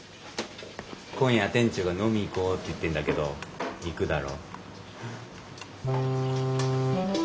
今夜店長が飲み行こうって言ってんだけど行くだろ？